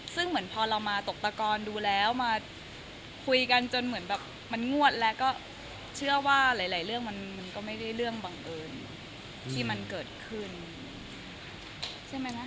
ซึ่งเหมือนพอเรามาตกตะกอนดูแล้วมาคุยกันจนเหมือนแบบมันงวดแล้วก็เชื่อว่าหลายเรื่องมันก็ไม่ได้เรื่องบังเอิญที่มันเกิดขึ้นใช่ไหม